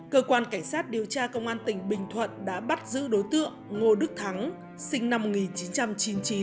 cơ quan cảnh sát điều tra công an tỉnh bình thuận đã bắt giữ đối tượng ngô đức thắng sinh năm một nghìn chín trăm chín mươi chín ngụ tại tỉnh bắc giang về hành vi lừa đảo chiếm đoạt tài sản